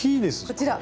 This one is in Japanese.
こちら。